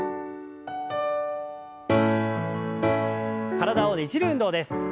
体をねじる運動です。